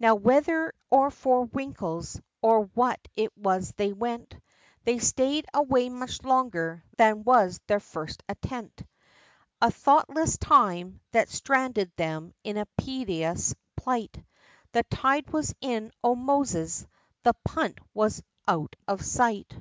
Now whether or for winkles, or what it was they went, They stayed away much longer than was their first intent, A thoughtless time, that stranded them in a piteous plight, The tide was in, O Moses! the punt was out of sight.